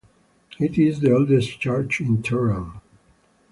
It is the oldest church in Tehran.